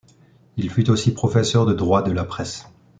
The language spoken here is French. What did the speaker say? Il fut aussi professeur de droit de la presse.